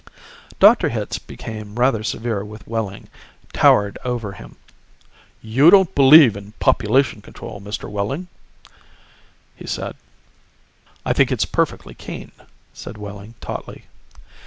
Dr. Hitz became rather severe with Wehling, towered over him. "You don't believe in population control, Mr. Wehling?" he said. "I think it's perfectly keen," said Wehling tautly.